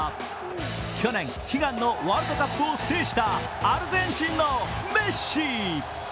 去年、悲願のワールドカップを制したアルゼンチンのメッシ。